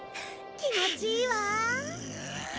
気持ちいいわあ。